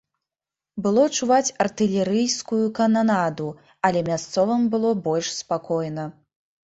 Было чуваць артылерыйскую кананаду, але мясцовым было больш спакойна.